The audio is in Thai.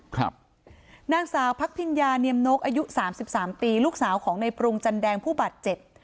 ครับนางสาวพักพิญญาเนียมนกอายุสามสิบสามปีลูกสาวของในปรุงจันแดงผู้บาดเจ็บ